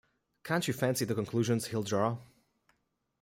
Can’t you fancy the conclusions he’ll draw?